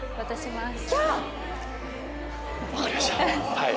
はい。